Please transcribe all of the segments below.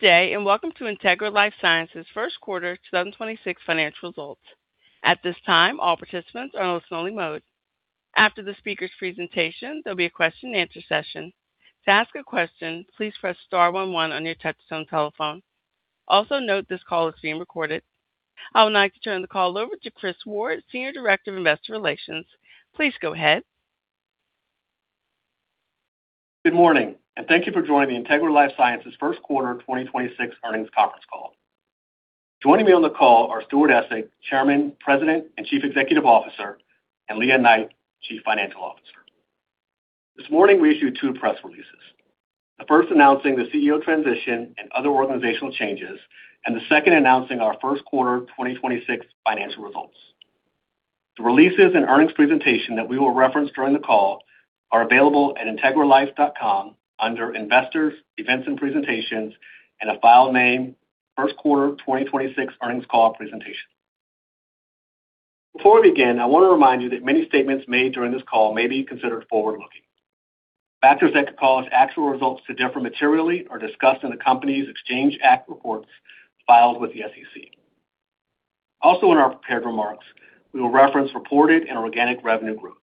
Good day. Welcome to Integra LifeSciences first quarter 2026 financial results. At this time, all participants are in listen-only mode. After the speaker's presentation, there'll be a question and answer session. To ask a question, please press star one one on your touch-tone telephone. Also note this call is being recorded. I would now like to turn the call over to Chris Ward, Senior Director of Investor Relations. Please go ahead. Good morning, and thank you for joining the Integra LifeSciences first quarter 2026 earnings conference call. Joining me on the call are Stuart Essig, Chairman, President, and Chief Executive Officer, and Lea Knight, Chief Financial Officer. This morning we issued two press releases. The first announcing the CEO transition and other organizational changes, and the second announcing our first quarter 2026 financial results. The releases and earnings presentation that we will reference during the call are available at integralife.com under Investors, Events and Presentations in a file named First Quarter 2026 Earnings Call Presentation. Before we begin, I want to remind you that many statements made during this call may be considered forward-looking. Factors that could cause actual results to differ materially are discussed in the company's Exchange Act reports filed with the SEC. Also in our prepared remarks, we will reference reported and organic revenue growth.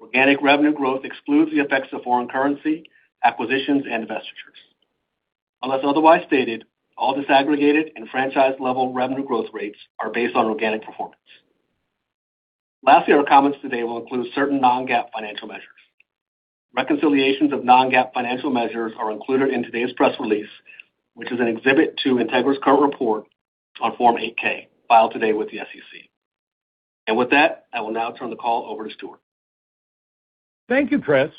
Organic revenue growth excludes the effects of foreign currency, acquisitions, and divestitures. Unless otherwise stated, all disaggregated and franchise-level revenue growth rates are based on organic performance. Lastly, our comments today will include certain non-GAAP financial measures. Reconciliations of non-GAAP financial measures are included in today's press release, which is an exhibit to Integra's current report on Form 8-K filed today with the SEC. With that, I will now turn the call over to Stuart. Thank you, Chris.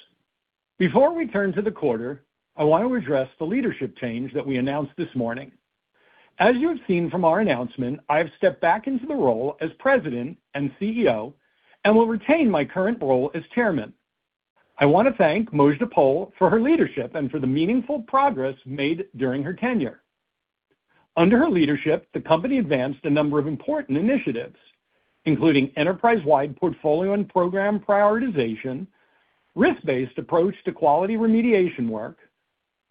Before we turn to the quarter, I want to address the leadership change that we announced this morning. As you have seen from our announcement, I have stepped back into the role as President and CEO and will retain my current role as Chairman. I want to thank Mojdeh Poul for her leadership and for the meaningful progress made during her tenure. Under her leadership, the company advanced a number of important initiatives, including enterprise-wide portfolio and program prioritization, risk-based approach to quality remediation work,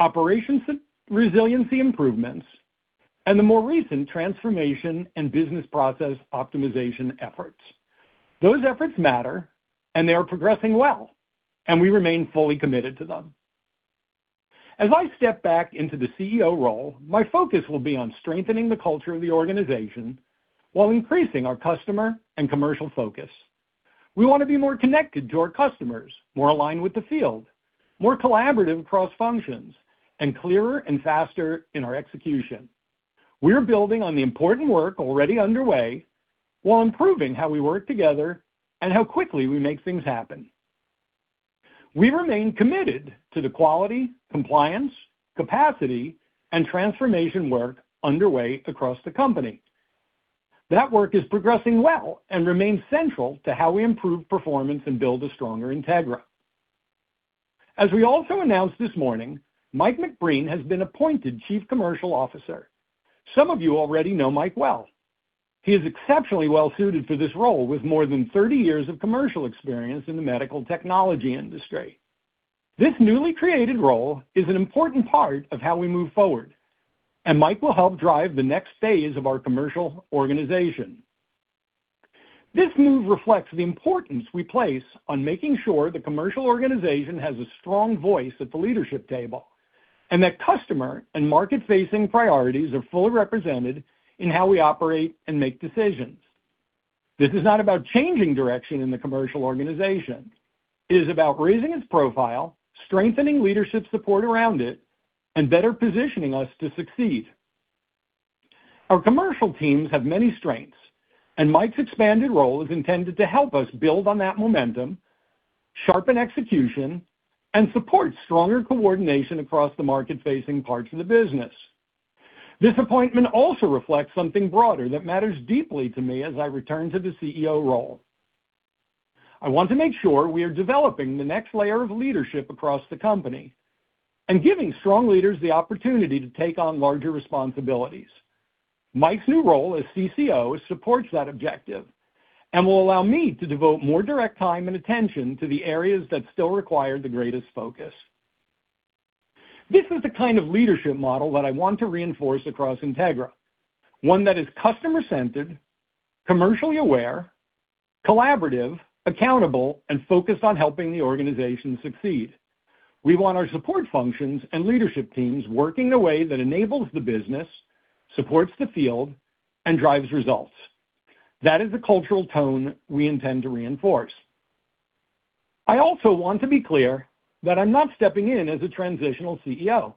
operations resiliency improvements, and the more recent transformation and business process optimization efforts. Those efforts matter, and they are progressing well, and we remain fully committed to them. As I step back into the CEO role, my focus will be on strengthening the culture of the organization while increasing our customer and commercial focus. We want to be more connected to our customers, more aligned with the field, more collaborative across functions, and clearer and faster in our execution. We're building on the important work already underway, while improving how we work together and how quickly we make things happen. We remain committed to the quality, compliance, capacity, and transformation work underway across the company. That work is progressing well and remains central to how we improve performance and build a stronger Integra. As we also announced this morning, Mike McBreen has been appointed Chief Commercial Officer. Some of you already know Mike well. He is exceptionally well-suited for this role with more than 30 years of commercial experience in the medical technology industry. This newly created role is an important part of how we move forward, and Mike will help drive the next phase of our commercial organization. This move reflects the importance we place on making sure the commercial organization has a strong voice at the leadership table, and that customer and market-facing priorities are fully represented in how we operate and make decisions. This is not about changing direction in the commercial organization. It is about raising its profile, strengthening leadership support around it, and better positioning us to succeed. Our commercial teams have many strengths, and Mike's expanded role is intended to help us build on that momentum, sharpen execution, and support stronger coordination across the market-facing parts of the business. This appointment also reflects something broader that matters deeply to me as I return to the CEO role. I want to make sure we are developing the next layer of leadership across the company, and giving strong leaders the opportunity to take on larger responsibilities. Mike's new role as CCO supports that objective and will allow me to devote more direct time and attention to the areas that still require the greatest focus. This is the kind of leadership model that I want to reinforce across Integra. One that is customer-centered, commercially aware, collaborative, accountable, and focused on helping the organization succeed. We want our support functions and leadership teams working the way that enables the business, supports the field, and drives results. That is the cultural tone we intend to reinforce. I also want to be clear that I'm not stepping in as a transitional CEO.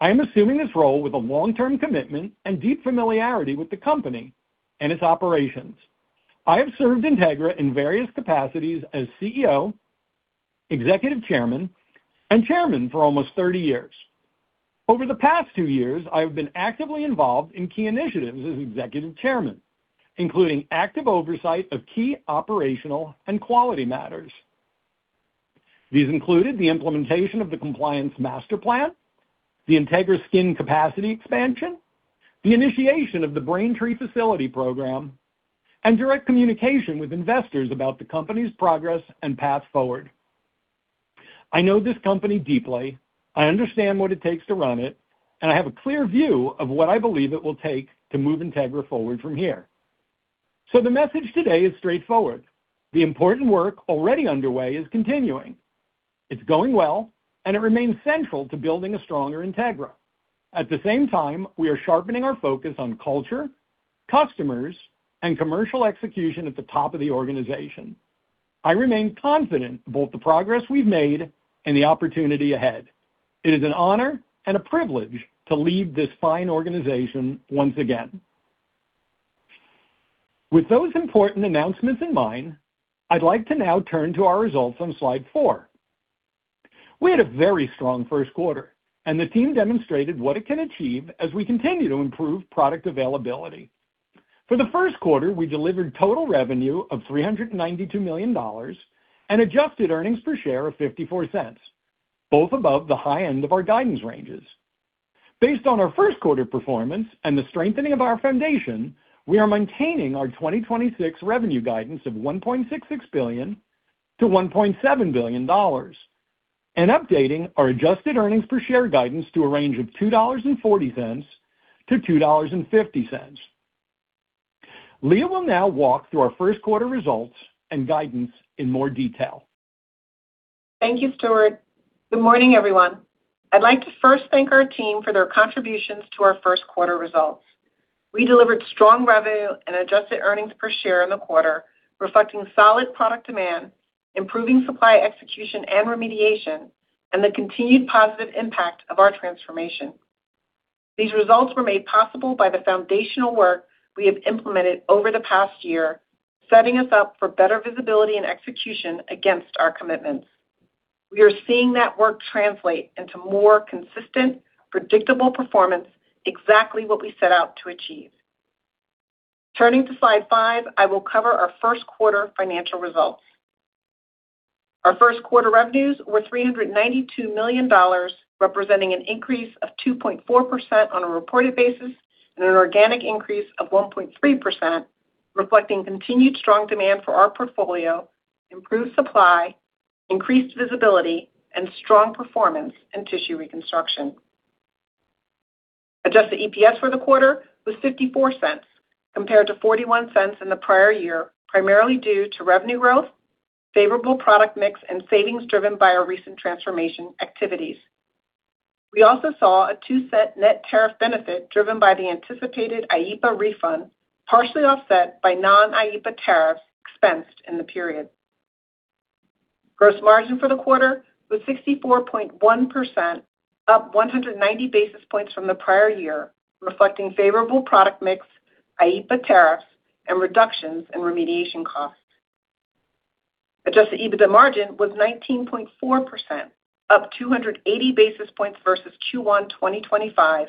I am assuming this role with a long-term commitment and deep familiarity with the company and its operations. I have served Integra in various capacities as CEO, Executive Chairman, and Chairman for almost 30 years. Over the past two years, I have been actively involved in key initiatives as Executive Chairman, including active oversight of key operational and quality matters. These included the implementation of the Compliance Master Plan, the Integra Skin capacity expansion, the initiation of the Braintree facility program, and direct communication with investors about the company's progress and path forward. I know this company deeply. I understand what it takes to run it, and I have a clear view of what I believe it will take to move Integra forward from here. The message today is straightforward. The important work already underway is continuing. It's going well, and it remains central to building a stronger Integra. At the same time, we are sharpening our focus on culture, customers, and commercial execution at the top of the organization. I remain confident in both the progress we've made and the opportunity ahead. It is an honor and a privilege to lead this fine organization once again. With those important announcements in mind, I'd like to now turn to our results on slide four. We had a very strong first quarter, and the team demonstrated what it can achieve as we continue to improve product availability. For the first quarter, we delivered total revenue of $392 million and adjusted earnings per share of $0.54, both above the high end of our guidance ranges. Based on our first quarter performance and the strengthening of our foundation, we are maintaining our 2026 revenue guidance of $1.66 billion-$1.7 billion and updating our adjusted earnings per share guidance to a range of $2.40-$2.50. Lea will now walk through our first quarter results and guidance in more detail. Thank you, Stuart. Good morning, everyone. I'd like to first thank our team for their contributions to our first quarter results. We delivered strong revenue and adjusted earnings per share in the quarter, reflecting solid product demand, improving supply execution and remediation, and the continued positive impact of our transformation. These results were made possible by the foundational work we have implemented over the past year, setting us up for better visibility and execution against our commitments. We are seeing that work translate into more consistent, predictable performance, exactly what we set out to achieve. Turning to slide five, I will cover our first quarter financial results. Our first quarter revenues were $392 million, representing an increase of 2.4% on a reported basis and an organic increase of 1.3%, reflecting continued strong demand for our portfolio, improved supply, increased visibility, and strong performance in Tissue Reconstruction. Adjusted EPS for the quarter was $0.54 compared to $0.41 in the prior year, primarily due to revenue growth, favorable product mix, and savings driven by our recent transformation activities. We also saw a $0.02 net tariff benefit driven by the anticipated IEEPA refund, partially offset by non-IEEPA tariffs expensed in the period. Gross margin for the quarter was 64.1%, up 190 basis points from the prior year, reflecting favorable product mix, IEEPA tariffs, and reductions in remediation costs. Adjusted EBITDA margin was 19.4%, up 280 basis points versus Q1 2025,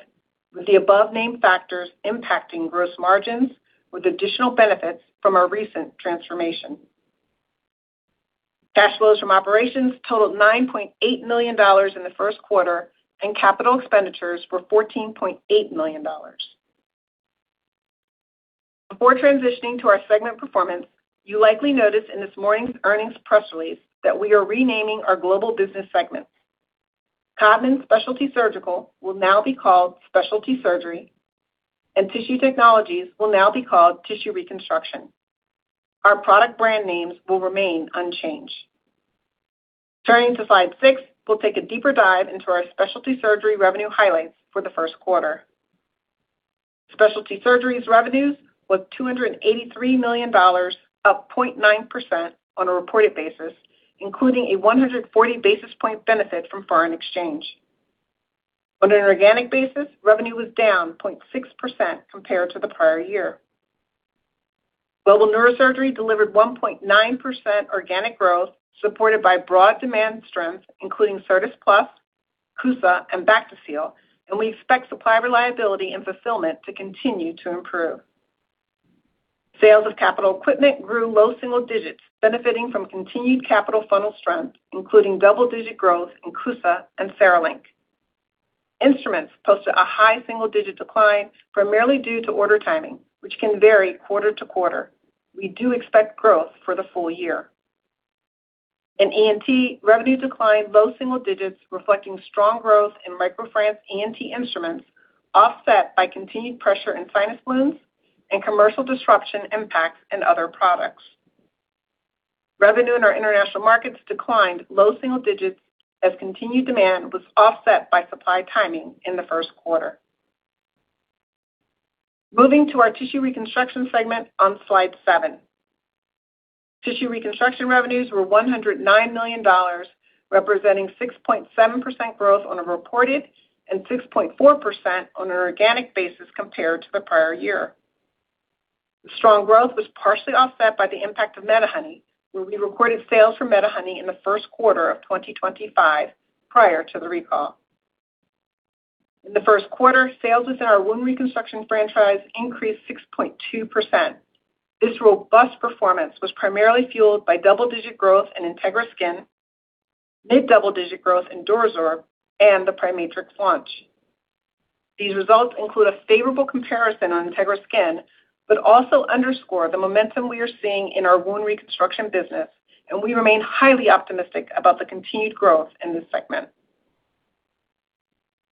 with the above named factors impacting gross margins with additional benefits from our recent transformation. Cash flows from operations totaled $9.8 million in the first quarter, and capital expenditures were $14.8 million. Before transitioning to our segment performance, you likely noticed in this morning's earnings press release that we are renaming our global business segments. Codman Specialty Surgical will now be called Specialty Surgery, and Tissue Technologies will now be called Tissue Reconstruction. Our product brand names will remain unchanged. Turning to slide six, we'll take a deeper dive into our Specialty Surgery revenue highlights for the first quarter. Specialty Surgery's revenues was $283 million, up 0.9% on a reported basis, including a 140 basis point benefit from foreign exchange. On an organic basis, revenue was down 0.6% compared to the prior year. Global Neurosurgery delivered 1.9% organic growth supported by broad demand strength, including Certas Plus, CUSA, and Bactiseal. We expect supply reliability and fulfillment to continue to improve. Sales of capital equipment grew low single digits, benefiting from continued capital funnel strength, including double-digit growth in CUSA and CereLink. Instruments posted a high single-digit decline primarily due to order timing, which can vary quarter-to-quarter. We do expect growth for the full-year. In ENT, revenue declined low single digits, reflecting strong growth in MicroFrance ENT instruments, offset by continued pressure in sinus wounds and commercial disruption impacts in other products. Revenue in our international markets declined low single digits as continued demand was offset by supply timing in the first quarter. Moving to our Tissue Reconstruction segment on slide seven. Tissue Reconstruction revenues were $109 million, representing 6.7% growth on a reported and 6.4% on an organic basis compared to the prior year. The strong growth was partially offset by the impact of MediHoney, where we recorded sales for MediHoney in the first quarter of 2025 prior to the recall. In the first quarter, sales within our wound reconstruction franchise increased 6.2%. This robust performance was primarily fueled by double-digit growth in Integra Skin, mid-double-digit growth in DuraSorb, and the PriMatrix launch. These results include a favorable comparison on Integra Skin, but also underscore the momentum we are seeing in our wound reconstruction business. We remain highly optimistic about the continued growth in this segment.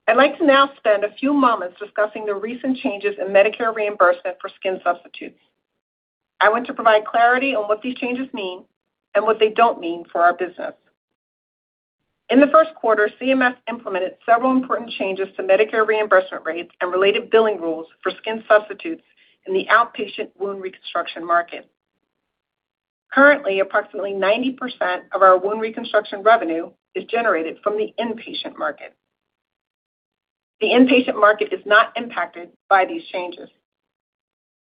I'd like to now spend a few moments discussing the recent changes in Medicare reimbursement for skin substitutes. I want to provide clarity on what these changes mean and what they don't mean for our business. In the first quarter, CMS implemented several important changes to Medicare reimbursement rates and related billing rules for skin substitutes in the outpatient wound reconstruction market. Currently, approximately 90% of our wound reconstruction revenue is generated from the inpatient market. The inpatient market is not impacted by these changes.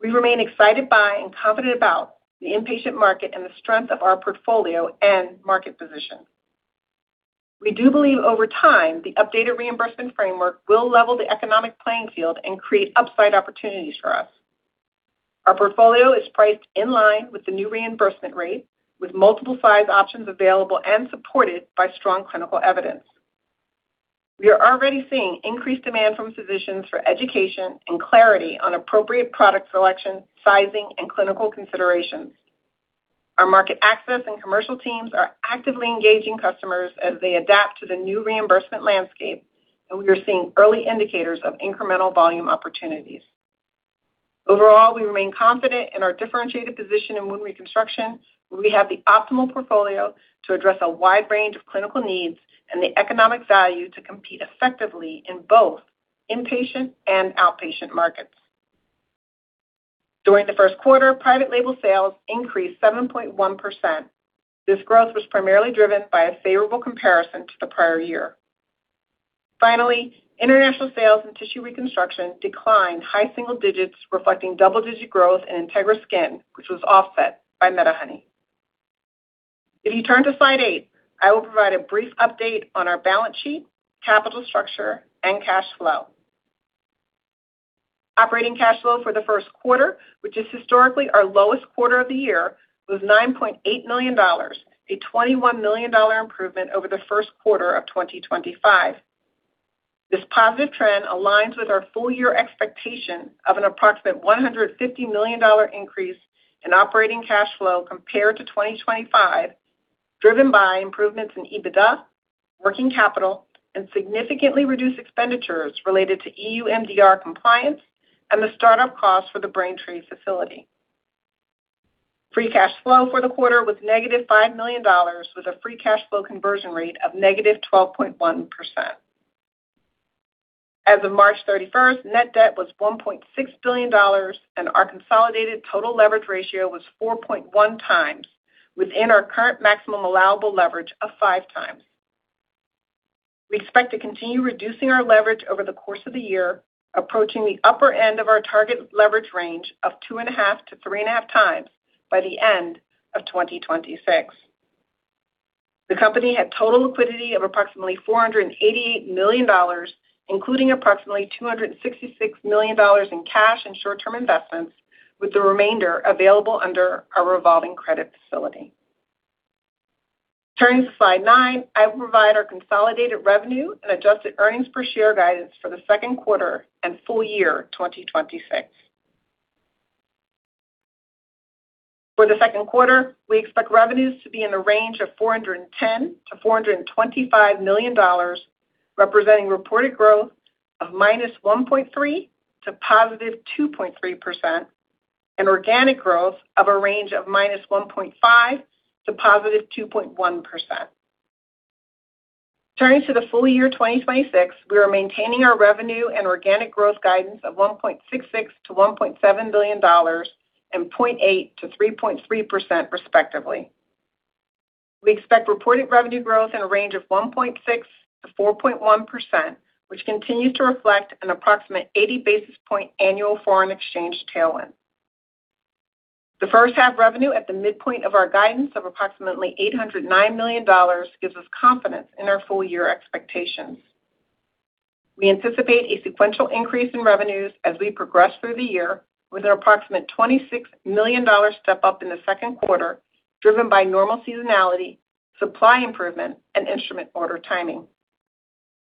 We remain excited by and confident about the inpatient market and the strength of our portfolio and market position. We do believe over time, the updated reimbursement framework will level the economic playing field and create upside opportunities for us. Our portfolio is priced in line with the new reimbursement rates, with multiple size options available and supported by strong clinical evidence. We are already seeing increased demand from physicians for education and clarity on appropriate product selection, sizing, and clinical considerations. Our market access and commercial teams are actively engaging customers as they adapt to the new reimbursement landscape, and we are seeing early indicators of incremental volume opportunities. Overall, we remain confident in our differentiated position in wound reconstruction, where we have the optimal portfolio to address a wide range of clinical needs and the economic value to compete effectively in both inpatient and outpatient markets. During the first quarter, private label sales increased 7.1%. This growth was primarily driven by a favorable comparison to the prior year. Finally, international sales and Tissue Reconstruction declined high single digits, reflecting double-digit growth in Integra Skin, which was offset by MediHoney. If you turn to slide eight, I will provide a brief update on our balance sheet, capital structure, and cash flow. Operating cash flow for the first quarter, which is historically our lowest quarter of the year, was $9.8 million, a $21 million improvement over the first quarter of 2025. This positive trend aligns with our full-year expectation of an approximate $150 million increase in operating cash flow compared to 2025, driven by improvements in EBITDA, working capital, and significantly reduced expenditures related to EU MDR compliance and the start-up costs for the Braintree facility. Free cash flow for the quarter was -$5 million, with a free cash flow conversion rate of -12.1%. As of March 31st, net debt was $1.6 billion, and our consolidated total leverage ratio was 4.1x within our current maximum allowable leverage of 5x. We expect to continue reducing our leverage over the course of the year, approaching the upper end of our target leverage range of 2.5x-3.5x by the end of 2026. The company had total liquidity of approximately $488 million, including approximately $266 million in cash and short-term investments, with the remainder available under our revolving credit facility. Turning to slide nine, I will provide our consolidated revenue and adjusted earnings per share guidance for the second quarter and full-year 2026. For the second quarter, we expect revenues to be in the range of $410 million-$425 million, representing reported growth of -1.3% to +2.3% and organic growth of a range of -1.5% to +2.1%. Turning to the full-year 2026, we are maintaining our revenue and organic growth guidance of $1.66 billion-$1.7 billion and 0.8%-3.3% respectively. We expect reported revenue growth in a range of 1.6%-4.1%, which continues to reflect an approximate 80 basis point annual foreign exchange tailwind. The first half revenue at the midpoint of our guidance of approximately $809 million gives us confidence in our full-year expectations. We anticipate a sequential increase in revenues as we progress through the year, with an approximate $26 million step-up in the second quarter, driven by normal seasonality, supply improvement, and instrument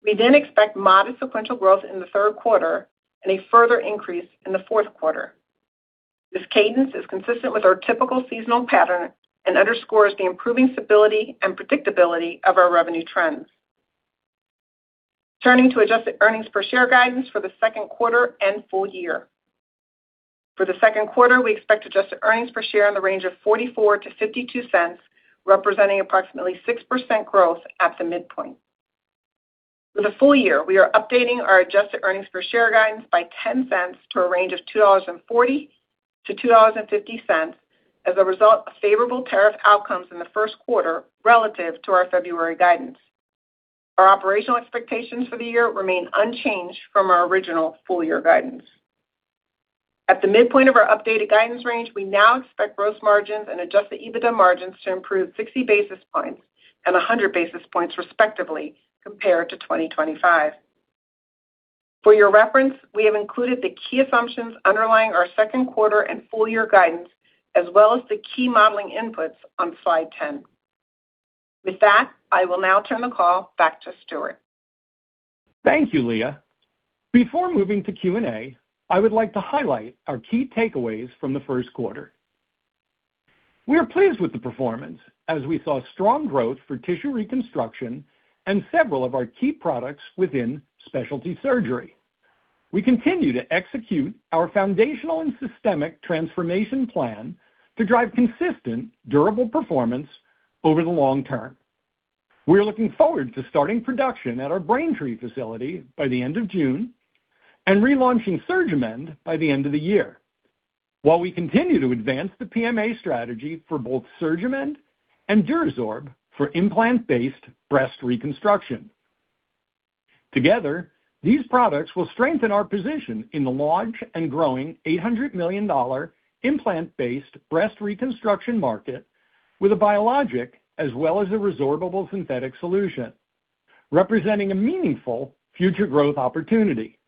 order timing. We expect modest sequential growth in the third quarter and a further increase in the fourth quarter. This cadence is consistent with our typical seasonal pattern and underscores the improving stability and predictability of our revenue trends. Turning to adjusted earnings per share guidance for the second quarter and full-year. For the second quarter, we expect adjusted earnings per share in the range of $0.44-$0.52, representing approximately 6% growth at the midpoint. For the full-year, we are updating our adjusted earnings per share guidance by $0.10 to a range of $2.40-$2.50 as a result of favorable tariff outcomes in the first quarter relative to our February guidance. Our operational expectations for the year remain unchanged from our original full-year guidance. At the midpoint of our updated guidance range, we now expect growth margins and adjusted EBITDA margins to improve 60 basis points and 100 basis points respectively compared to 2025. For your reference, we have included the key assumptions underlying our second quarter and full-year guidance as well as the key modeling inputs on slide 10. With that, I will now turn the call back to Stuart. Thank you, Lea. Before moving to Q&A, I would like to highlight our key takeaways from the first quarter. We are pleased with the performance as we saw strong growth for Tissue Reconstruction and several of our key products within Specialty Surgery. We continue to execute our foundational and systemic transformation plan to drive consistent, durable performance over the long term. We are looking forward to starting production at our Braintree facility by the end of June and relaunching SurgiMend by the end of the year. We continue to advance the PMA strategy for both SurgiMend and DuraSorb for implant-based breast reconstruction. Together, these products will strengthen our position in the large and growing $800 million implant-based breast reconstruction market with a biologic as well as a resorbable synthetic solution, representing a meaningful future growth opportunity.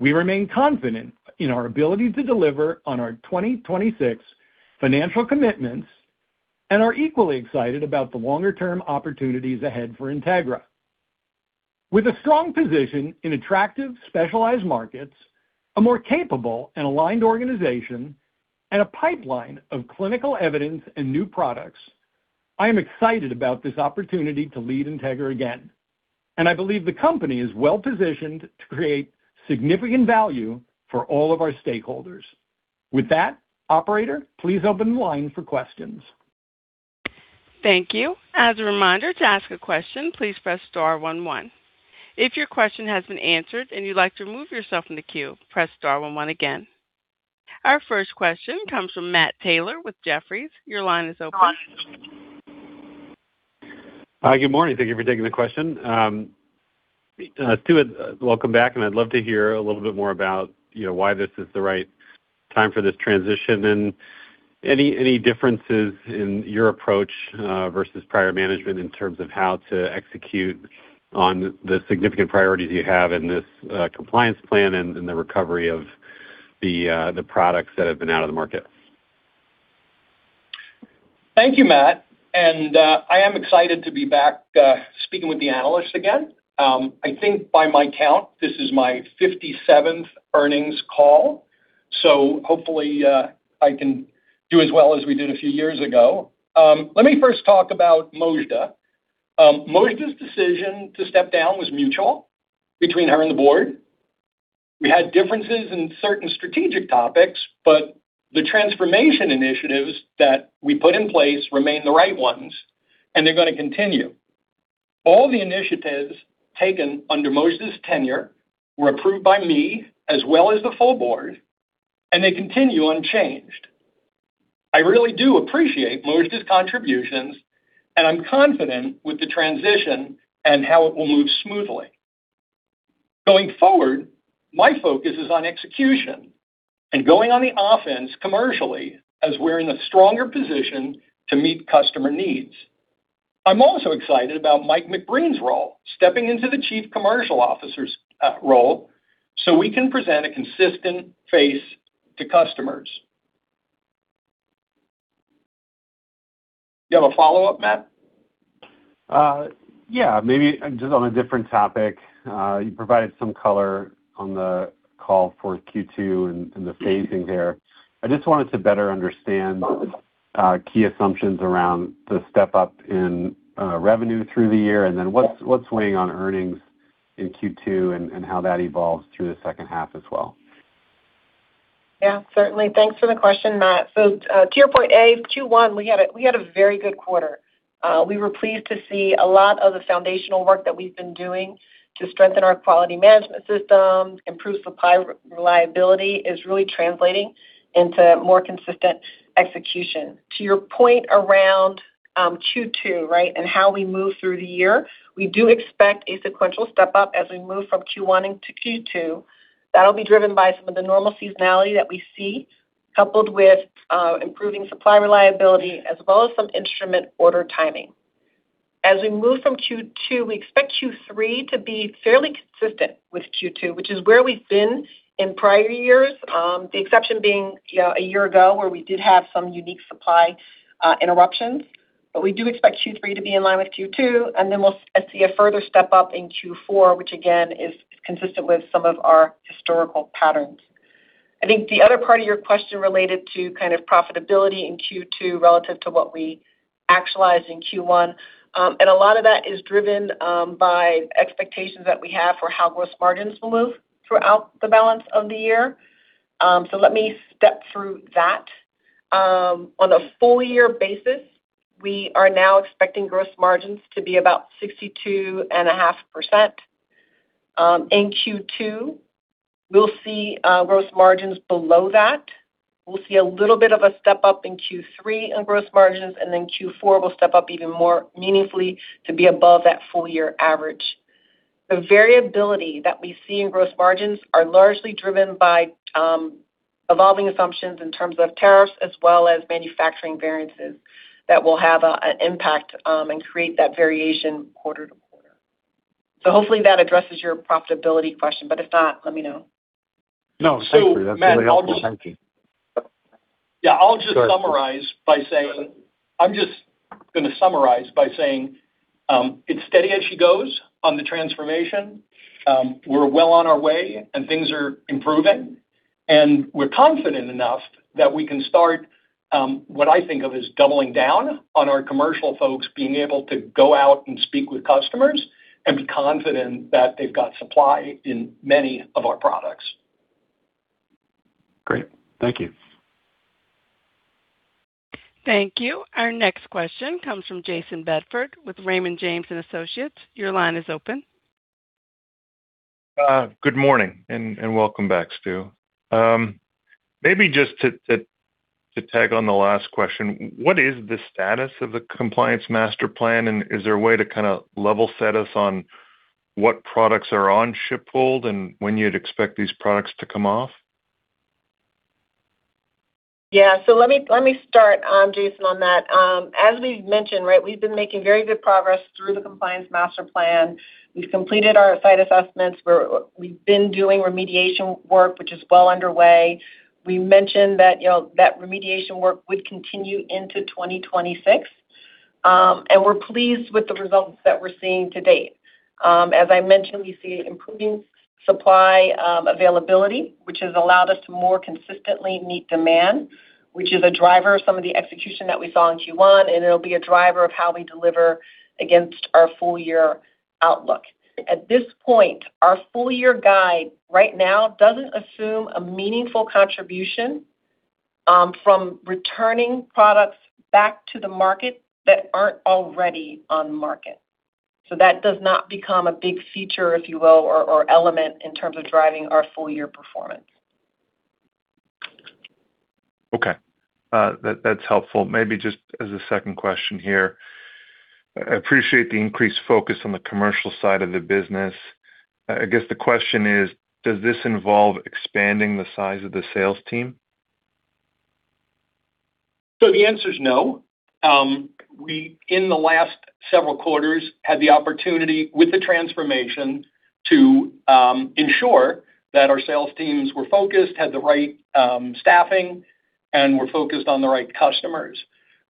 We remain confident in our ability to deliver on our 2026 financial commitments and are equally excited about the longer-term opportunities ahead for Integra. With a strong position in attractive specialized markets, a more capable and aligned organization, and a pipeline of clinical evidence and new products, I am excited about this opportunity to lead Integra again, and I believe the company is well-positioned to create significant value for all of our stakeholders. With that, operator, please open the line for questions. Thank you. As a reminder, to ask a question, please press star one one. If your question has been answered and you'd like to remove yourself from the queue, press star one one again. Our first question comes from Matt Taylor with Jefferies. Your line is open. Good morning. Thank you for taking the question. Stuart, welcome back, and I'd love to hear a little bit more about, you know, why this is the right time for this transition, and any differences in your approach versus prior management in terms of how to execute on the significant priorities you have in this Compliance Plan and the recovery of the products that have been out of the market? Thank you, Matt. I am excited to be back speaking with the analysts again. I think by my count, this is my 57th earnings call, hopefully, I can do as well as we did a few years ago. Let me first talk about Mojdeh. Mojdeh's decision to step down was mutual between her and the board. We had differences in certain strategic topics, the transformation initiatives that we put in place remain the right ones, they're gonna continue. All the initiatives taken under Mojdeh's tenure were approved by me as well as the full board, they continue unchanged. I really do appreciate Mojdeh's contributions, I'm confident with the transition and how it will move smoothly. Going forward, my focus is on execution and going on the offense commercially as we're in a stronger position to meet customer needs. I'm also excited about Mike McBreen's role, stepping into the Chief Commercial Officer's role, so we can present a consistent face to customers. You have a follow-up, Matt? Yeah, maybe just on a different topic. You provided some color on the call for Q2 and the phasing there. I just wanted to better understand key assumptions around the step-up in revenue through the year, and then what's weighing on earnings in Q2 and how that evolves through the second half as well? Yeah. Certainly. Thanks for the question, Matt. To your point Q1, we had a very good quarter. We were pleased to see a lot of the foundational work that we've been doing to strengthen our quality management system, improve supply reliability is really translating into more consistent execution. To your point around Q2, right, and how we move through the year, we do expect a sequential step-up as we move from Q1 into Q2. That'll be driven by some of the normal seasonality that we see, coupled with improving supply reliability as well as some instrument order timing. As we move from Q2, we expect Q3 to be fairly consistent with Q2, which is where we've been in prior years. The exception being, you know, a year ago where we did have some unique supply interruptions. We do expect Q3 to be in line with Q2, and then we'll see a further step-up in Q4, which again is consistent with some of our historical patterns. I think the other part of your question related to kind of profitability in Q2 relative to what we actualized in Q1, and a lot of that is driven by expectations that we have for how gross margins will move throughout the balance of the year. Let me step through that. On a full-year basis, we are now expecting gross margins to be about 62.5%. In Q2, we'll see gross margins below that. We'll see a little bit of a step-up in Q3 on gross margins, and then Q4 will step up even more meaningfully to be above that full-year average. The variability that we see in gross margins are largely driven by, evolving assumptions in terms of tariffs as well as manufacturing variances that will have an impact and create that variation quarter-to-quarter. Hopefully that addresses your profitability question, but if not, let me know. No, thank you. That's very helpful. Thank you. Yeah, I'm just gonna summarize by saying, it's steady as she goes on the transformation. We're well on our way, and things are improving, and we're confident enough that we can start, what I think of as doubling down on our commercial folks being able to go out and speak with customers and be confident that they've got supply in many of our products. Great. Thank you. Thank you. Our next question comes from Jayson Bedford with Raymond James & Associates. Your line is open. Good morning and welcome back, Stu. Maybe just to tag on the last question, what is the status of the Compliance Master Plan, and is there a way to kind of level set us on what products are on ship hold and when you'd expect these products to come off? Yeah. Let me start, Jayson, on that. As we've mentioned, right, we've been making very good progress through the Compliance Master Plan. We've completed our site assessments. We've been doing remediation work, which is well underway. We mentioned that, you know, that remediation work would continue into 2026. We're pleased with the results that we're seeing to date. As I mentioned, we see improving supply availability, which has allowed us to more consistently meet demand, which is a driver of some of the execution that we saw in Q1, it'll be a driver of how we deliver against our full-year outlook. At this point, our full-year guide right now doesn't assume a meaningful contribution from returning products back to the market that aren't already on market. That does not become a big feature, if you will, or element in terms of driving our full-year performance. Okay. That's helpful. Maybe just as a second question here. I appreciate the increased focus on the commercial side of the business. I guess the question is, does this involve expanding the size of the sales team? The answer is no. We, in the last several quarters, had the opportunity with the transformation to ensure that our sales teams were focused, had the right staffing, and were focused on the right customers.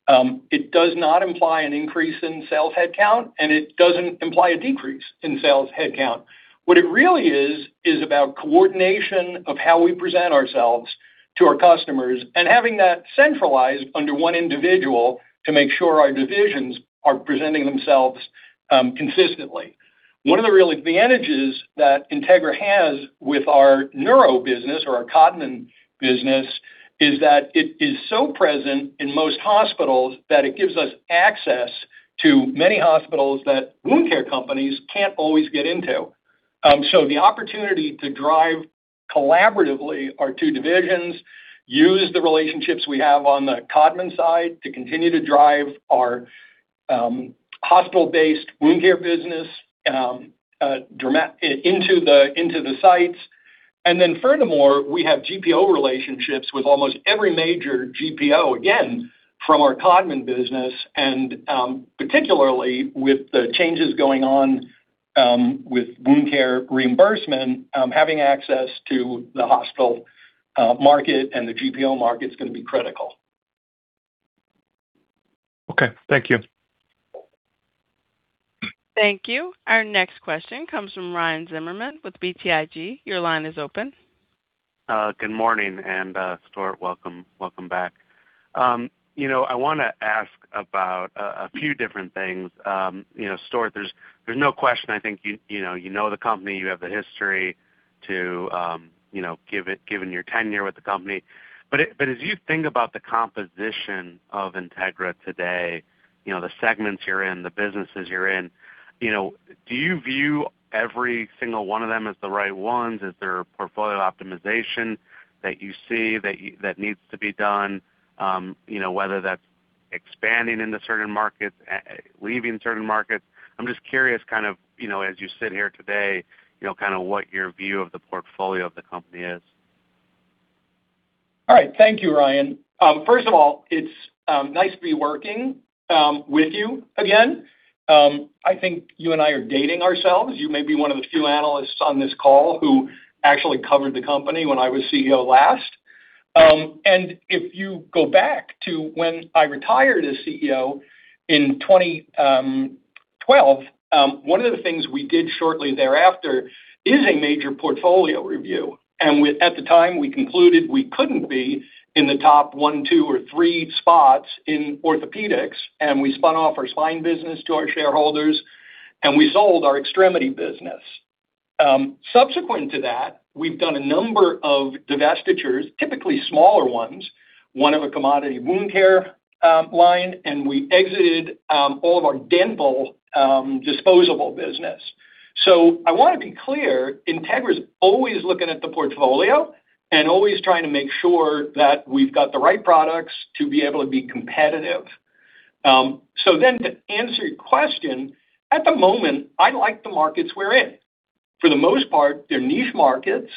It does not imply an increase in sales headcount, and it doesn't imply a decrease in sales headcount. What it really is about coordination of how we present ourselves to our customers and having that centralized under one individual to make sure our divisions are presenting themselves consistently. One of the real advantages that Integra has with our neuro business or our Codman business is that it is so present in most hospitals that it gives us access to many hospitals that wound care companies can't always get into. The opportunity to drive collaboratively our two divisions, use the relationships we have on the Codman side to continue to drive our hospital-based wound care business into the sites. Furthermore, we have GPO relationships with almost every major GPO, again, from our Codman business, and particularly with the changes going on with wound care reimbursement, having access to the hospital market and the GPO market is gonna be critical. Okay. Thank you. Thank you. Our next question comes from Ryan Zimmerman with BTIG. Your line is open. Good morning, and Stuart, welcome. Welcome back. You know, I want to ask about a few different things. You know, Stuart, there's no question I think you know, you know the company, you have the history to, you know, given your tenure with the company. As you think about the composition of Integra today, you know, the segments you're in, the businesses you're in, you know, do you view every single one of them as the right ones? Is there portfolio optimization that you see that needs to be done? You know, whether that's expanding into certain markets, leaving certain markets. I'm just curious kind of, you know, as you sit here today, you know, kind of what your view of the portfolio of the company is? All right. Thank you, Ryan. First of all, it's nice to be working with you again. I think you and I are dating ourselves. You may be one of the few analysts on this call who actually covered the company when I was CEO last. If you go back to when I retired as CEO in 2012, one of the things we did shortly thereafter is a major portfolio review. At the time, we concluded we couldn't be in the top one, two, or three spots in orthopedics, and we spun off our spine business to our shareholders, and we sold our extremity business. Subsequent to that, we've done a number of divestitures, typically smaller ones, one of a commodity wound care line, and we exited all of our dental disposable business. I wanna be clear, Integra's always looking at the portfolio and always trying to make sure that we've got the right products to be able to be competitive. To answer your question, at the moment, I like the markets we're in. For the most part, they're niche markets.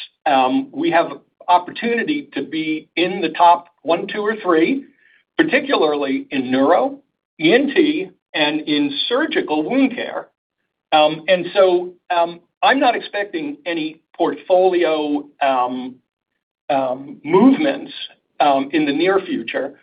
We have opportunity to be in the top one, two, or three, particularly in Neuro, ENT, and in surgical wound care. I'm not expecting any portfolio movements in the near future.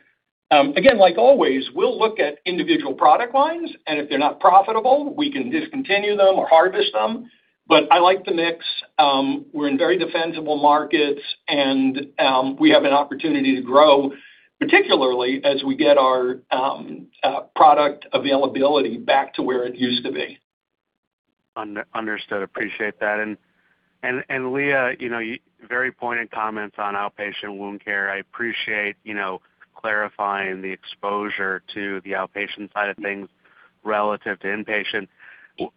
Again, like always, we'll look at individual product lines, and if they're not profitable, we can discontinue them or harvest them. I like the mix. We're in very defensible markets, and we have an opportunity to grow, particularly as we get our product availability back to where it used to be. Understood. Appreciate that. Lea, you know, very pointed comments on outpatient wound care. I appreciate, you know, clarifying the exposure to the outpatient side of things relative to inpatient.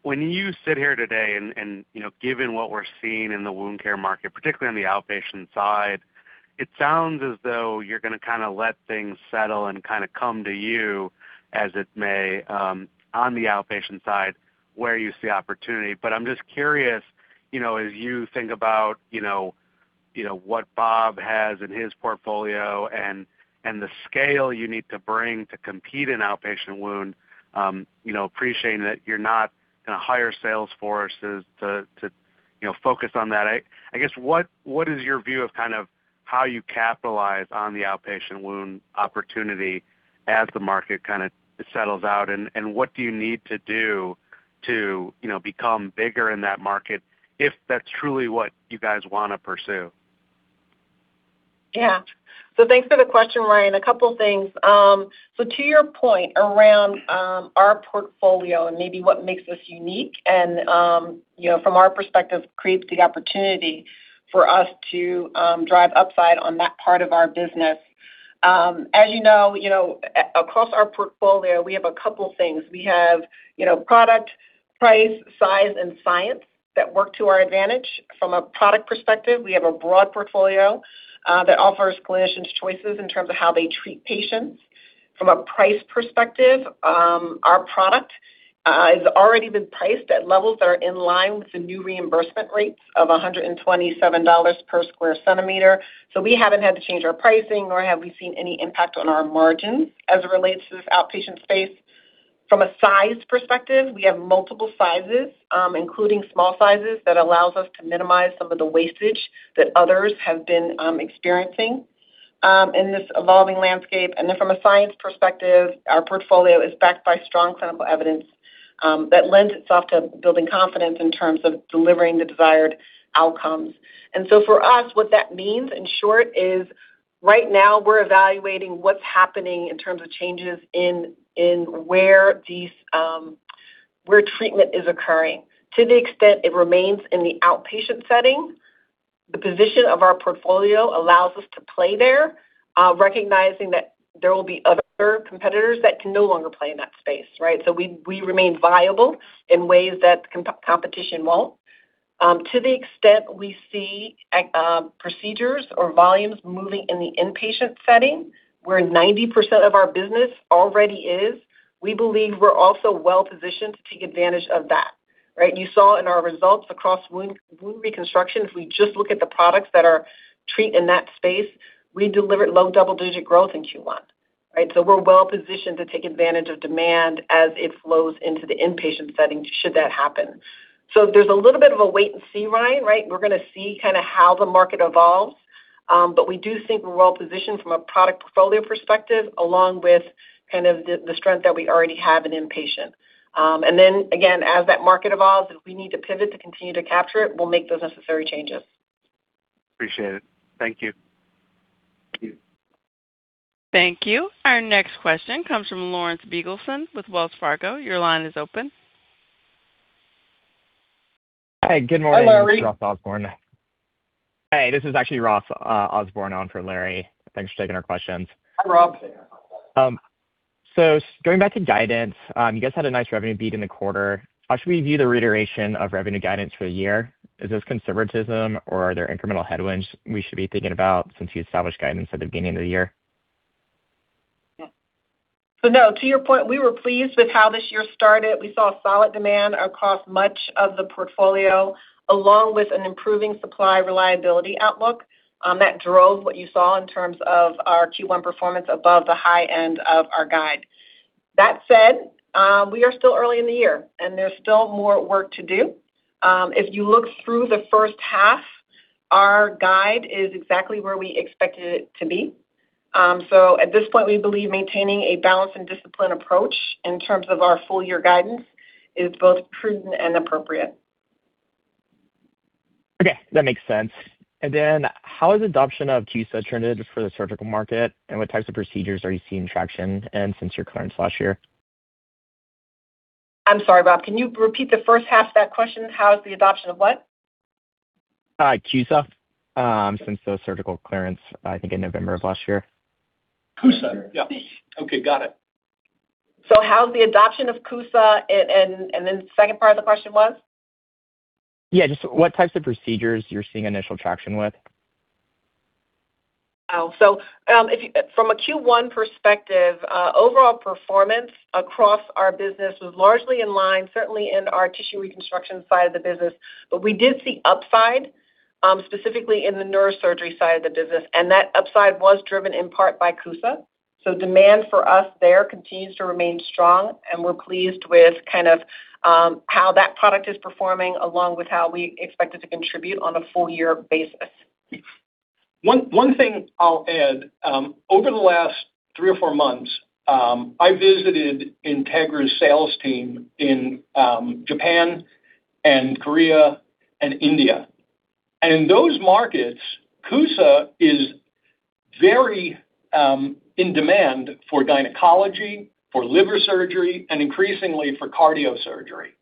When you sit here today and, you know, given what we're seeing in the wound care market, particularly on the outpatient side, it sounds as though you're gonna kinda let things settle and kinda come to you as it may on the outpatient side, where you see opportunity. I'm just curious, you know, as you think about, you know, what Bob has in his portfolio and the scale you need to bring to compete in outpatient wound, you know, appreciating that you're not gonna hire sales forces to, you know, focus on that. I guess what is your view of kind of how you capitalize on the outpatient wound opportunity as the market kinda settles out? What do you need to do to, you know, become bigger in that market if that's truly what you guys wanna pursue? Yeah. Thanks for the question, Ryan. A couple things. To your point around our portfolio and maybe what makes us unique and, you know, from our perspective, creates the opportunity for us to drive upside on that part of our business. As you know, you know, across our portfolio, we have a couple things. We have, you know, product, price, size, and science that work to our advantage. From a product perspective, we have a broad portfolio that offers clinicians choices in terms of how they treat patients. From a price perspective, our product has already been priced at levels that are in line with the new reimbursement rates of $127 per square centimeter. We haven't had to change our pricing, nor have we seen any impact on our margins as it relates to this outpatient space. From a size perspective, we have multiple sizes, including small sizes, that allows us to minimize some of the wastage that others have been experiencing in this evolving landscape. From a science perspective, our portfolio is backed by strong clinical evidence that lends itself to building confidence in terms of delivering the desired outcomes. For us, what that means, in short, is right now we're evaluating what's happening in terms of changes in where these where treatment is occurring. To the extent it remains in the outpatient setting, the position of our portfolio allows us to play there, recognizing that there will be other competitors that can no longer play in that space, right? We remain viable in ways that competition won't. To the extent we see procedures or volumes moving in the inpatient setting, where 90% of our business already is, we believe we're also well-positioned to take advantage of that, right? You saw in our results across wound reconstructions, we just look at the products that are treat in that space. We delivered low double-digit growth in Q1, right? We're well-positioned to take advantage of demand as it flows into the inpatient setting should that happen. There's a little bit of a wait and see, Ryan, right? We're gonna see kinda how the market evolves. But we do think we're well-positioned from a product portfolio perspective, along with kind of the strength that we already have in inpatient. Again, as that market evolves, if we need to pivot to continue to capture it, we'll make those necessary changes. Appreciate it. Thank you. Thank you. Thank you. Our next question comes from Lawrence Biegelsen with Wells Fargo. Your line is open. Hi, good morning. Hi, Larry. This is Ross Osborn. Hey, this is actually Ross Osborn on for Larry. Thanks for taking our questions. Hi, Ross. Going back to guidance, you guys had a nice revenue beat in the quarter. How should we view the reiteration of revenue guidance for the year? Is this conservatism or are there incremental headwinds we should be thinking about since you established guidance at the beginning of the year? No, to your point, we were pleased with how this year started. We saw solid demand across much of the portfolio, along with an improving supply reliability outlook, that drove what you saw in terms of our Q1 performance above the high end of our guide. That said, we are still early in the year, and there's still more work to do. If you look through the first half, our guide is exactly where we expected it to be. At this point, we believe maintaining a balanced and disciplined approach in terms of our full-year guidance is both prudent and appropriate. Okay, that makes sense. How is adoption of CUSA alternatives for the surgical market and what types of procedures are you seeing traction in since your clearance last year? I'm sorry, Ross, can you repeat the first half of that question? How is the adoption of what? CUSA, since the surgical clearance, I think in November of last year. CUSA. Yeah. Okay, got it. How's the adoption of CUSA and then second part of the question was? Yeah, just what types of procedures you're seeing initial traction with? From a Q1 perspective, overall performance across our business was largely in line, certainly in our Tissue Reconstruction side of the business. We did see upside, specifically in the Neurosurgery side of the business, and that upside was driven in part by CUSA. Demand for us there continues to remain strong, and we're pleased with kind of how that product is performing along with how we expect it to contribute on a full-year basis. One thing I'll add, over the last three or four months, I visited Integra's sales team in Japan and Korea and India. In those markets, CUSA is very in demand for gynecology, for liver surgery, and increasingly for cardio surgery.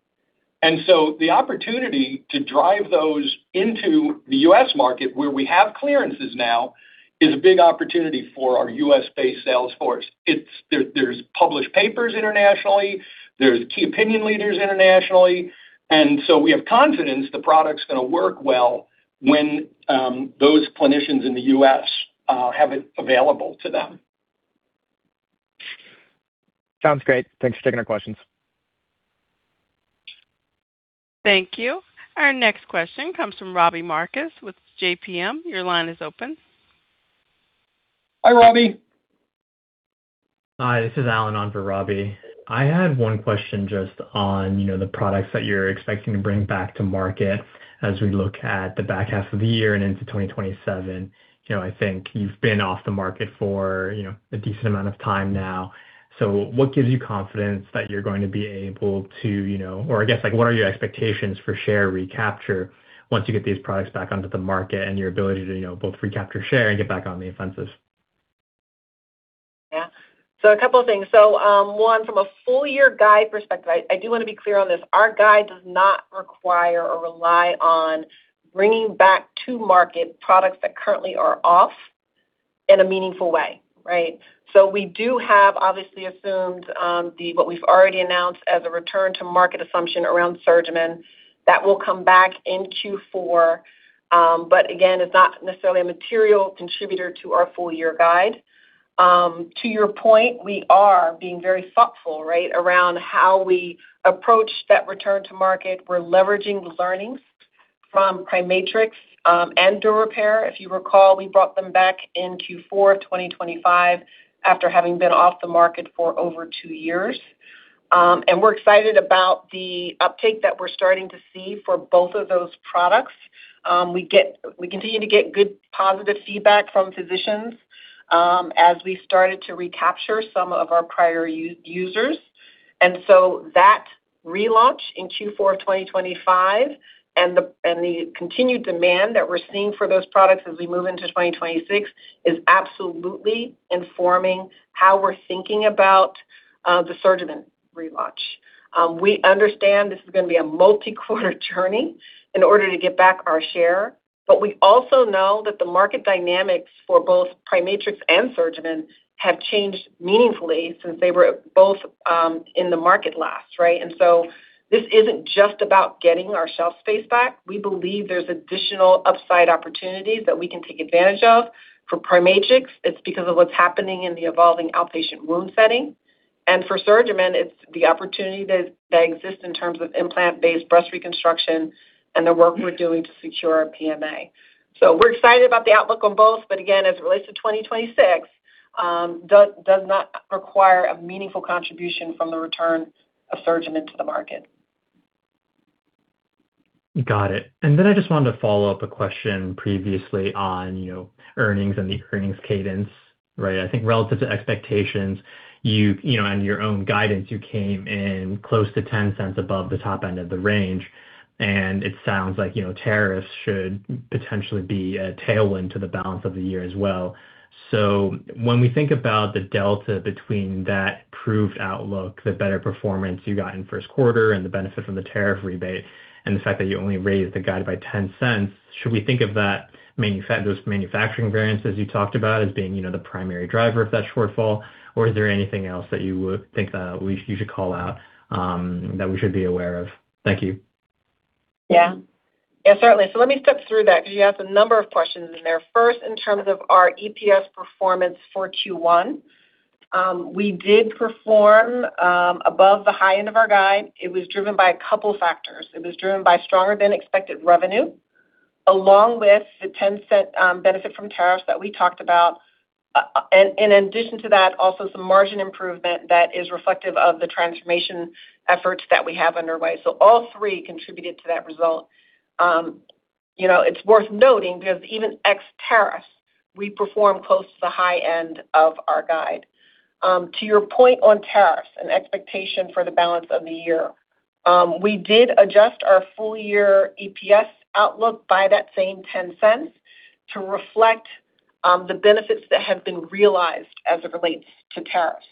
The opportunity to drive those into the U.S. market where we have clearances now is a big opportunity for our U.S.-based sales force. There's published papers internationally, there's key opinion leaders internationally, we have confidence the product's gonna work well when those clinicians in the U.S. have it available to them. Sounds great. Thanks for taking our questions. Thank you. Our next question comes from Robbie Marcus with JPM. Your line is open. Hi, Robbie. Hi, this is Alan on for Robbie. I had one question just on, you know, the products that you're expecting to bring back to market as we look at the back half of the year and into 2027. You know, I think you've been off the market for, you know, a decent amount of time now. What gives you confidence that you're going to be able to, you know, or I guess, like, what are your expectations for share recapture once you get these products back onto the market and your ability to, you know, both recapture share and get back on the offensive? Yeah. A couple of things. One, from a full-year guide perspective, I do want to be clear on this. Our guide does not require or rely on bringing back to market products that currently are off in a meaningful way, right? We do have obviously assumed what we've already announced as a return to market assumption around SurgiMend. That will come back in Q4. Again, it's not necessarily a material contributor to our full-year guide. To your point, we are being very thoughtful, right, around how we approach that return to market. We're leveraging the learnings from PriMatrix and Durepair. If you recall, we brought them back in Q4 of 2025 after having been off the market for over two years. We're excited about the uptake that we're starting to see for both of those products. We continue to get good positive feedback from physicians, as we started to recapture some of our prior users. That relaunch in Q4 of 2025 and the continued demand that we're seeing for those products as we move into 2026, is absolutely informing how we're thinking about the SurgiMend relaunch. We understand this is going to be a multi-quarter journey in order to get back our share. We also know that the market dynamics for both PriMatrix and SurgiMend have changed meaningfully since they were both in the market last. This isn't just about getting our shelf space back. We believe there's additional upside opportunities that we can take advantage of. For PriMatrix, it's because of what's happening in the evolving outpatient wound setting. For SurgiMend, it's the opportunity that exists in terms of implant-based breast reconstruction and the work we're doing to secure a PMA. We're excited about the outlook on both. Again, as it relates to 2026, does not require a meaningful contribution from the return of SurgiMend to the market. Got it. I just wanted to follow up a question previously on, you know, earnings and the earnings cadence, right? I think relative to expectations, you know, and your own guidance, you came in close to $0.10 above the top end of the range. It sounds like, you know, tariffs should potentially be a tailwind to the balance of the year as well. When we think about the delta between that proved outlook, the better performance you got in first quarter and the benefit from the tariff rebate, and the fact that you only raised the guide by $0.10, should we think of those manufacturing variances you talked about as being, you know, the primary driver of that shortfall? Or is there anything else that you would think that you should call out that we should be aware of? Thank you. Yeah. Yeah, certainly. Let me step through that because you asked a number of questions in there. First, in terms of our EPS performance for Q1, we did perform above the high end of our guide. It was driven by couple factors. It was driven by stronger than expected revenue, along with the $0.10 benefit from tariffs that we talked about. In addition to that, also some margin improvement that is reflective of the transformation efforts that we have underway. All three contributed to that result. You know, it's worth noting because even ex tariffs, we perform close to the high end of our guide. To your point on tariffs and expectation for the balance of the year, we did adjust our full-year EPS outlook by that same $0.10 to reflect the benefits that have been realized as it relates to tariffs.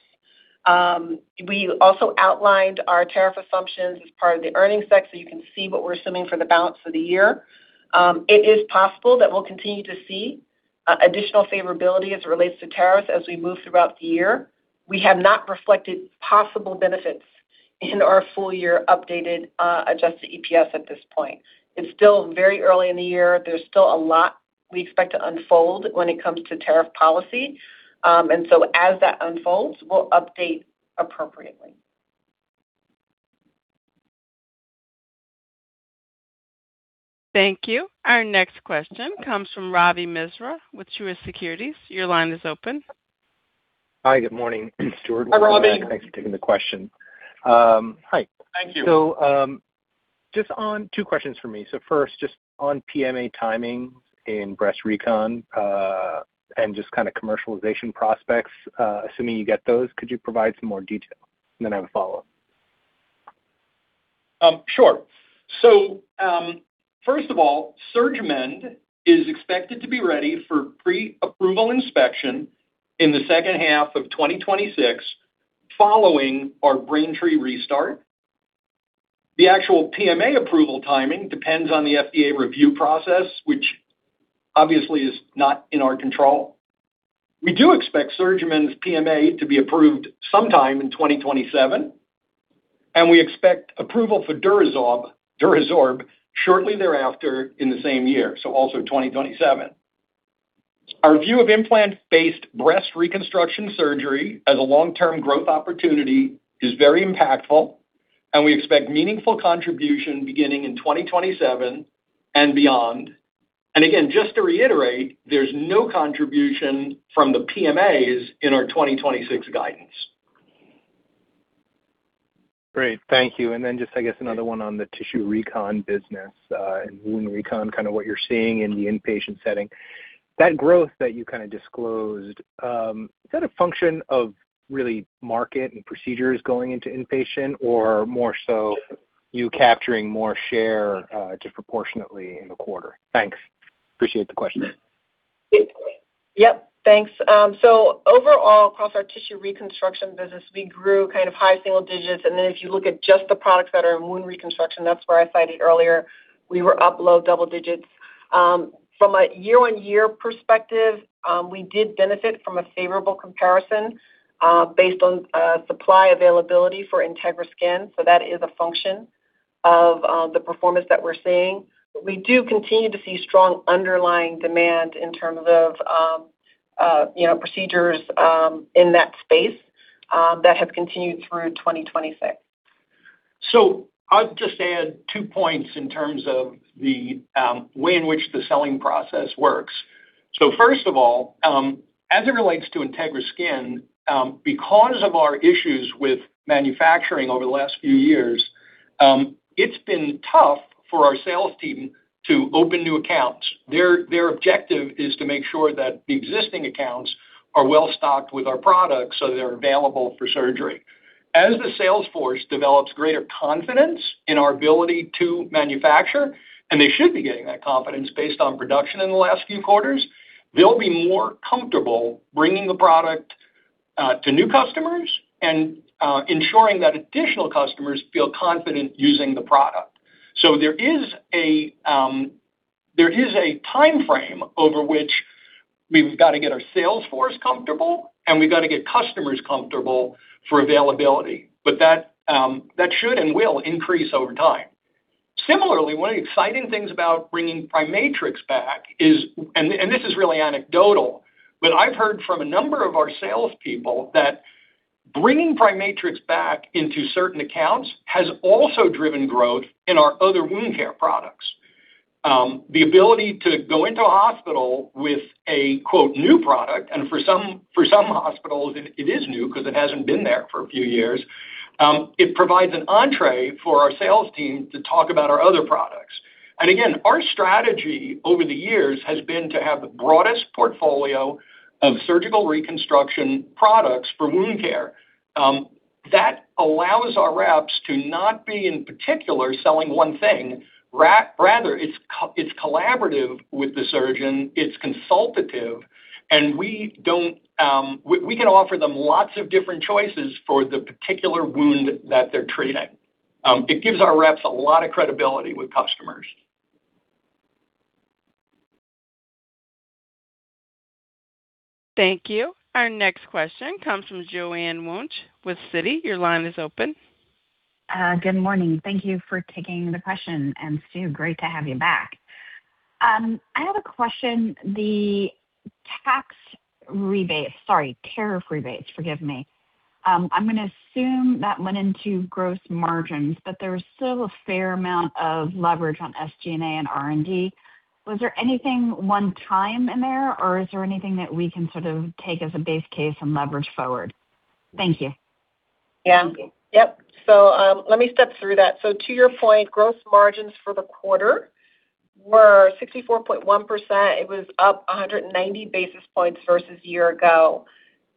We also outlined our tariff assumptions as part of the earnings deck, so you can see what we're assuming for the balance of the year. It is possible that we'll continue to see additional favorability as it relates to tariffs as we move throughout the year. We have not reflected possible benefits in our full-year updated, adjusted EPS at this point. It's still very early in the year. There's still a lot we expect to unfold when it comes to tariff policy. As that unfolds, we'll update appropriately. Thank you. Our next question comes from Ravi Misra with Truist Securities. Your line is open. Hi. Good morning. Stuart with- Hi, Ravi. Thanks for taking the question. Hi. Thank you. Just two questions for me. First, just on PMA timing in breast recon, and just kind of commercialization prospects, assuming you get those, could you provide some more detail? I have a follow-up. First of all, SurgiMend is expected to be ready for pre-approval inspection in the second half of 2026, following our Braintree restart. The actual PMA approval timing depends on the FDA review process, which obviously is not in our control. We do expect SurgiMend's PMA to be approved sometime in 2027. We expect approval for DuraSorb shortly thereafter in the same year, so also 2027. Our view of implant-based breast reconstruction surgery as a long-term growth opportunity is very impactful. We expect meaningful contribution beginning in 2027 and beyond. Again, just to reiterate, there's no contribution from the PMAs in our 2026 guidance. Great. Thank you. Then just I guess another one on the Tissue Reconstruction business, and wound recon, kind of what you're seeing in the inpatient setting. That growth that you kind of disclosed, is that a function of really market and procedures going into inpatient or more so you capturing more share, disproportionately in the quarter? Thanks. Appreciate the question. Yep. Thanks. Overall, across our Tissue Reconstruction business, we grew kind of high single digits. If you look at just the products that are in wound reconstruction, that's where I cited earlier, we were up low double digits. From a year-on-year perspective, we did benefit from a favorable comparison, based on supply availability for Integra Skin. That is a function of the performance that we're seeing. We do continue to see strong underlying demand in terms of, you know, procedures in that space that have continued through 2026. I'll just add two points in terms of the way in which the selling process works. First of all, as it relates to Integra Skin, because of our issues with manufacturing over the last few years, it's been tough for our sales team to open new accounts. Their objective is to make sure that the existing accounts are well-stocked with our products, so they're available for surgery. As the sales force develops greater confidence in our ability to manufacture, and they should be getting that confidence based on production in the last few quarters, they'll be more comfortable bringing the product to new customers and ensuring that additional customers feel confident using the product. There is a, there is a timeframe over which we've got to get our sales force comfortable, and we've got to get customers comfortable for availability. That, that should and will increase over time. Similarly, one of the exciting things about bringing PriMatrix back is, and this is really anecdotal, but I've heard from a number of our salespeople that bringing PriMatrix back into certain accounts has also driven growth in our other wound care products. The ability to go into a hospital with a quote, new product, and for some hospitals, it is new because it hasn't been there for a few years. It provides an entree for our sales team to talk about our other products. Again, our strategy over the years has been to have the broadest portfolio of surgical reconstruction products for wound care. That allows our reps to not be in particular selling one thing. Rather, it's collaborative with the surgeon, it's consultative, and we don't, we can offer them lots of different choices for the particular wound that they're treating. It gives our reps a lot of credibility with customers. Thank you. Our next question comes from Joanne Wuensch with Citi. Your line is open. Good morning. Thank you for taking the question. Stu, great to have you back. I have a question. Sorry, tariff rebates, forgive me. I'm gonna assume that went into gross margins, but there was still a fair amount of leverage on SG&A and R&D. Was there anything one-time in there, or is there anything that we can sort of take as a base case and leverage forward? Thank you. Yep. Let me step through that. To your point, gross margins for the quarter were 64.1%. It was up 190 basis points versus year ago.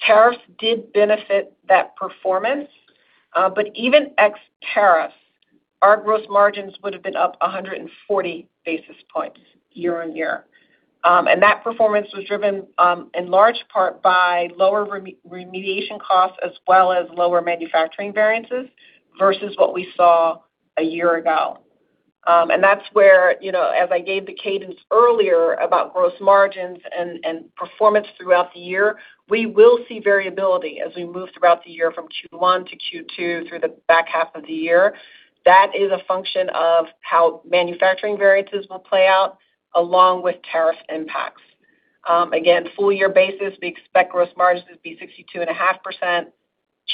Tariffs did benefit that performance. Even ex-tariff, our gross margins would have been up 140 basis points year-over-year. That performance was driven in large part by lower remediation costs as well as lower manufacturing variances versus what we saw a year ago. That's where, you know, as I gave the cadence earlier about gross margins and performance throughout the year, we will see variability as we move throughout the year from Q1 to Q2 through the back half of the year. That is a function of how manufacturing variances will play out, along with tariff impacts. Again, full-year basis, we expect gross margins to be 62.5%.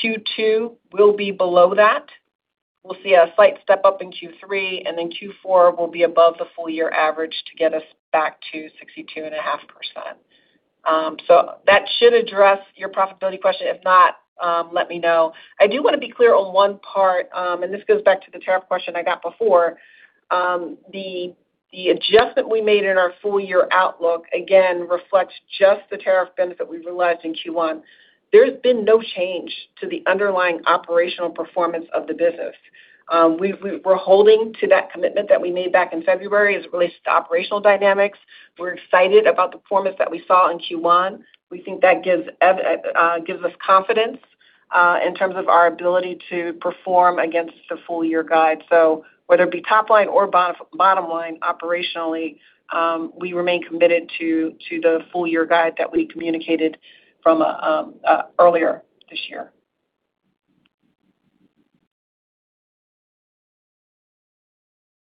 Q2 will be below that. We'll see a slight step up in Q3, Q4 will be above the full-year average to get us back to 62.5%. That should address your profitability question. If not, let me know. I do want to be clear on one part; this goes back to the tariff question I got before. The adjustment we made in our full-year outlook again reflects just the tariff benefit we realized in Q1. There's been no change to the underlying operational performance of the business. We're holding to that commitment that we made back in February as it relates to operational dynamics. We're excited about the performance that we saw in Q1. We think that gives us confidence in terms of our ability to perform against the full-year guide. Whether it be top-line or bottom-line operationally, we remain committed to the full-year guide that we communicated from earlier this year.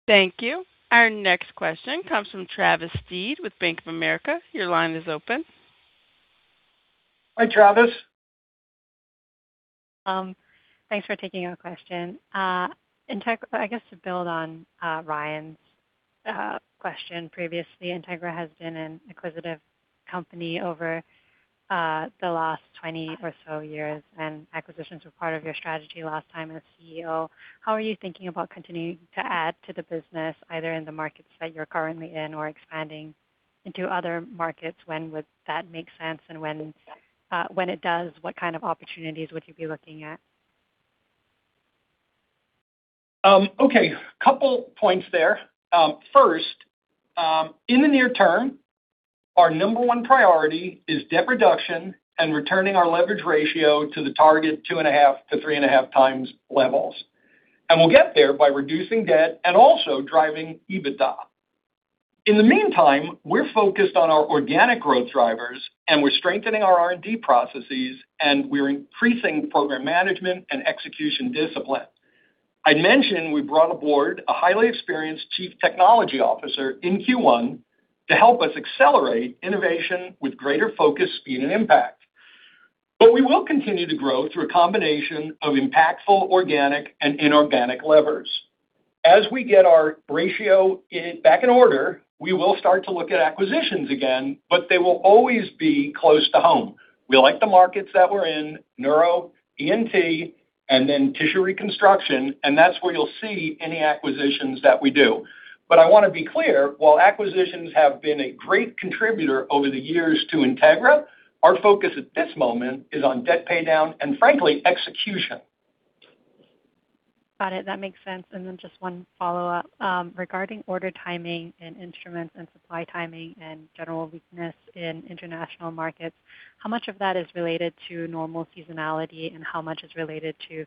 Thank you. Our next question comes from Travis Steed with Bank of America. Your line is open. Hi, Travis. Thanks for taking our question. Integra, I guess to build on Ryan's question previously, Integra has been an acquisitive company over the last 20 or so years, and acquisitions were part of your strategy last time as CEO. How are you thinking about continuing to add to the business, either in the markets that you're currently in or expanding into other markets? When would that make sense? When, when it does, what kind of opportunities would you be looking at? Okay, a couple points there. First, in the near term, our number one priority is debt reduction and returning our leverage ratio to the target 2.5x-3.5x levels. We'll get there by reducing debt and also driving EBITDA. In the meantime, we're focused on our organic growth drivers, we're strengthening our R&D processes, we're increasing program management and execution discipline. I mentioned we brought aboard a highly experienced Chief Technology Officer in Q1 to help us accelerate innovation with greater focus, speed, and impact. We will continue to grow through a combination of impactful organic and inorganic levers. As we get our ratio back in order, we will start to look at acquisitions again, but they will always be close to home. We like the markets that we're in, Neuro, ENT, and then Tissue Reconstruction, and that's where you'll see any acquisitions that we do. I want to be clear, while acquisitions have been a great contributor over the years to Integra, our focus at this moment is on debt paydown and frankly, execution. Got it. That makes sense. Then just one follow-up. Regarding order timing and instruments and supply timing and general weakness in international markets, how much of that is related to normal seasonality, and how much is related to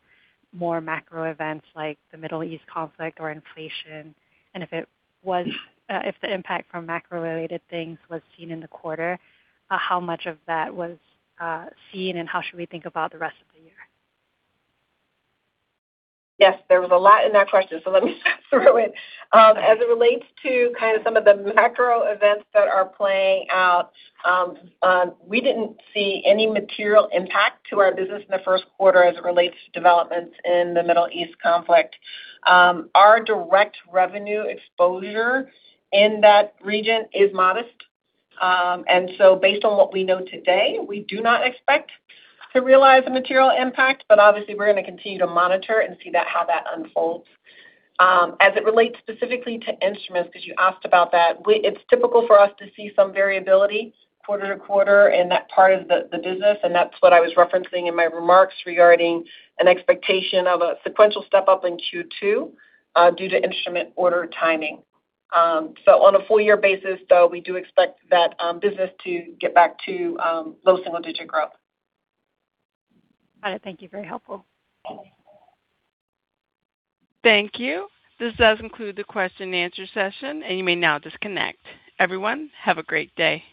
more macro events like the Middle East conflict or inflation? If the impact from macro-related things was seen in the quarter, how much of that was seen, and how should we think about the rest of the year? Yes, there was a lot in that question, so let me sort through it. As it relates to kind of some of the macro events that are playing out, we didn't see any material impact to our business in the first quarter as it relates to developments in the Middle East conflict. Our direct revenue exposure in that region is modest. Based on what we know today, we do not expect to realize a material impact, but obviously we're going to continue to monitor and see how that unfolds. As it relates specifically to instruments, because you asked about that, it's typical for us to see some variability quarter-to-quarter in that part of the business, and that's what I was referencing in my remarks regarding an expectation of a sequential step-up in Q2 due to instrument order timing. On a full-year basis, though, we do expect that business to get back to low single-digit growth. Got it. Thank you. Very helpful. Thank you. This does conclude the question and answer session, and you may now disconnect. Everyone, have a great day.